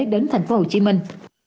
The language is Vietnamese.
đến thành phố hồ chí minh